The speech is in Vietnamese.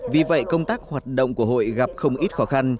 vì vậy công tác hoạt động của hội gặp không ít khó khăn